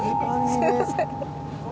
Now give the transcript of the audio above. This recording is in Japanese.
すみません。